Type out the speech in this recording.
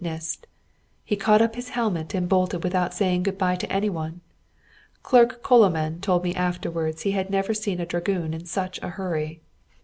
"nist!" He caught up his helmet and bolted without saying good bye to any one. Clerk Coloman told me afterwards he had never seen a dragoon in such a hurry.